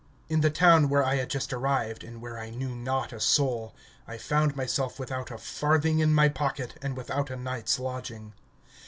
In the town where I had just arrived and where I knew not a soul, I found myself without a farthing in my pocket and without a night's lodging.